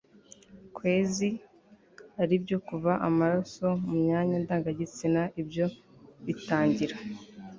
kwezi, ari byo kuva amaraso mu myanya ndangagitsina. ibyo bitangira